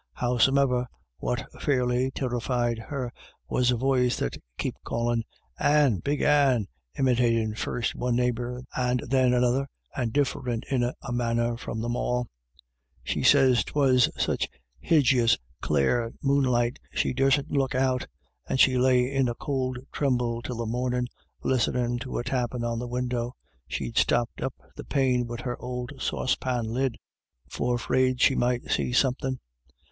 Howsome'er, what fairly tirrified her was a voice that kep' callin' ' Anne, Big Anne,' imitatin' first one neighbour, and then another, and difFrint in a manner from them alL She sez 'twas such hijeous clare moonlight she dursn't look out, and she lay in a could thrimble till the mornin', listenin' to a tappin' on the window — she'd stopped up the pane wid her ould saucepan lid for Traid she might see somethin*.